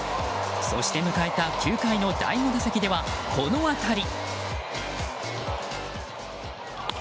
そして迎えた９回の第５打席ではこの当たり。